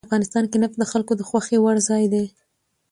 افغانستان کې نفت د خلکو د خوښې وړ ځای دی.